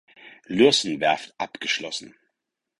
Lürssen Werft abgeschlossen.